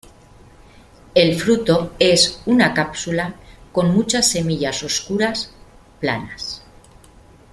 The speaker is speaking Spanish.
El fruto es una cápsula, con muchas semillas oscuras, planas.